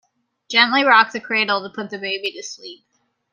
Gently rock the cradle to put the baby to sleep.